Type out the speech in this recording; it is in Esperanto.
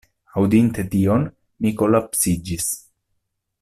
Aŭdinte tion, mi kolapsiĝis.